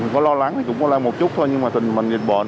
có lo lắng thì cũng có lo lắng một chút thôi nhưng mà tình mình bị bệnh